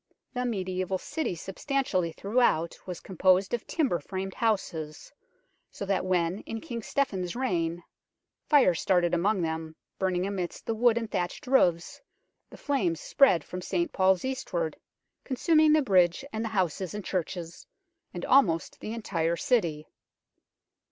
The mediaeval city substanti ally throughout was composed of timber framed houses, so that when in King Stephen's reign fire started among them, burning amidst the wood and thatched roofs, the flames spread from St Paul's eastward, consuming the bridge and the houses and churches and almost the entire city.